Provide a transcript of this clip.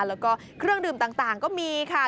แล้วก็เครื่องดื่มต่างก็มีค่ะ